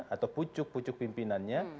atau pucuk pucuk pimpinannya